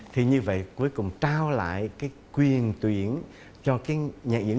thì như vậy cuối cùng trao lại cái quyền tuyển cho những nhà học